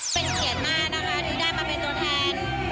พระพ่รพระพ่อสะวาง